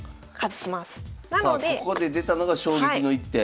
さあここで出たのが衝撃の一手。